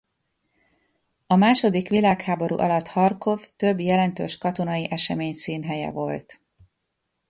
A második világháború alatt Harkov több jelentős katonai esemény színhelye volt.